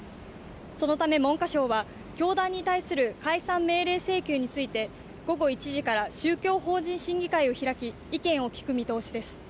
そのため文科省は教団に対する解散命令請求について午後１時から宗教法人審議会を開き意見を聞く見通しです